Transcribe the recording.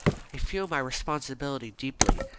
I feel my responsibility deeply.